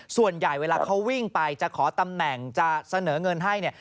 ส่วนใหญ่เวลาเขาวิ่งไปจะขอตำแหน่งจะเสนอเงินให้เนี่ย